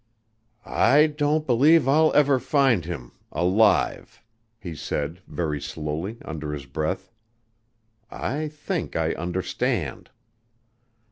"I don't believe I'll ever find him alive," he said very slowly, under his breath; "I think I understand."